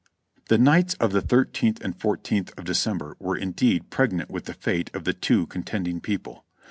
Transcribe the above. The nights of the thirteenth and fourteenth of December were indeed pregnant with the fate of the two contending people.